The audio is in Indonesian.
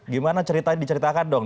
gimana cerita diceritakan dong